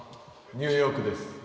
ニューヨークです。